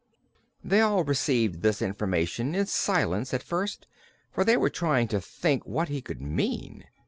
They all received this information in silence at first, for they were trying to think what he could mean.